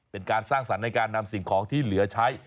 เป็นการสร้างสรรค์ในการนำสิ่งของที่เหลือใช้